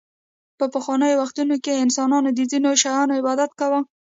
په پخوانیو وختونو کې انسانانو د ځینو شیانو عبادت کاوه